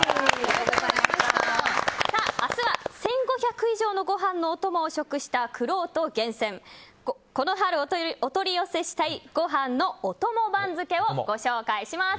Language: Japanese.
明日は１５００以上のご飯のお供を食したくろうと厳選この春お取り寄せしたいご飯のお供番付をご紹介します。